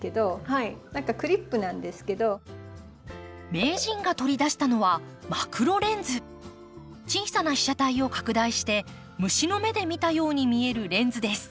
名人が取り出したのは小さな被写体を拡大して虫の目で見たように見えるレンズです。